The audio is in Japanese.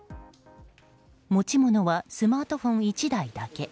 持ち物はスマートフォン１台だけ。